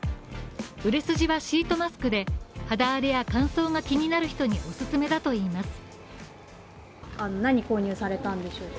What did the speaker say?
売れ筋はシートマスクで肌荒れや乾燥が気になる人にお勧めだといいます。